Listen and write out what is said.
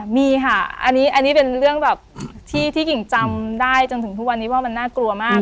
มีค่ะอันนี้เป็นเรื่องแบบที่กิ่งจำได้จนถึงทุกวันนี้ว่ามันน่ากลัวมาก